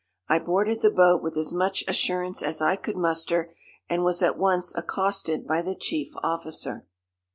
I boarded the boat with as much assurance as I could muster, and was at once accosted by the chief officer.